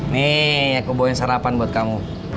nih aku bawain sarapan buat kamu